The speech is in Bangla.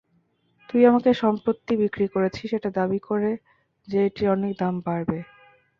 তুই আমাকে সম্পত্তি বিক্রি করেছিস এটা দাবি করে যে এটির অনেক দাম বাড়বে।